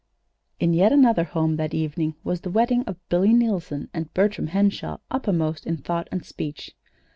In yet another home that evening was the wedding of Billy Neilson and Bertram Henshaw uppermost in thought and speech.